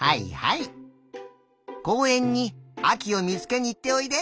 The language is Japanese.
こうえんにあきをみつけにいっておいで。